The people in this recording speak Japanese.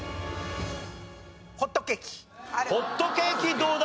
ホットケーキどうだ？